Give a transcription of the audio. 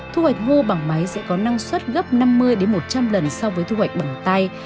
thu hoạch ngô bằng máy sẽ có năng suất gấp năm mươi một trăm linh lần so với thu hoạch bằng tay